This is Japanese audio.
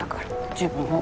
自分を。